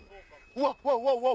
うわわわわ！